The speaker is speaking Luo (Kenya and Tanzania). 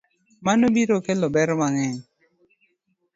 Mano biro kelo ber mang'eny